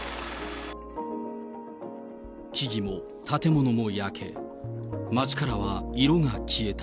木々も建物も焼け、街からは色が消えた。